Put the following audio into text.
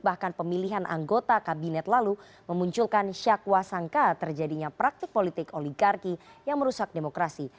bahkan pemilihan anggota kabinet lalu memunculkan syakwa sangka terjadinya praktik politik oligarki yang merusak demokrasi